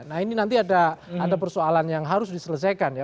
nah ini nanti ada persoalan yang harus diselesaikan ya